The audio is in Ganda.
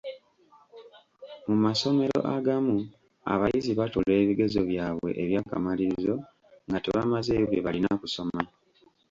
Mu masomero agamu abayizi batuula ebigezo byabwe eby'akamalirizo nga tebamazeeyo bye balina kusoma.